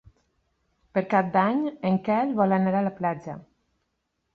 Per Cap d'Any en Quel vol anar a la platja.